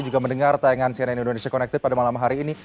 juga mendengar tayangan cnn indonesia connected pada malam hari ini